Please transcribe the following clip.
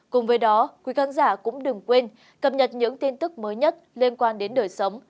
cùng với đó quý khán giả cũng đừng quên cập nhật những tin tức mới nhất liên quan đến đời sống